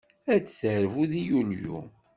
Ad d-terbu deg Yulyu.